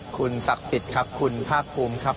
คุณศักดิ์สิทธิ์ครับคุณภาคภูมิครับ